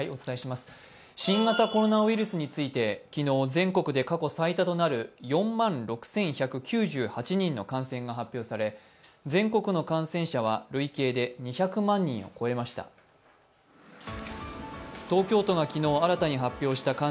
新型コロナウイルスについて、昨日全国で過去最多となる４万６１９８人の感染が発表され、全国の感染者は累計で２００万人を超えました。